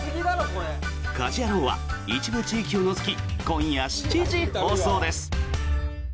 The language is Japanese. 「家事ヤロウ！！！」は一部地域を除き今夜７時放送です。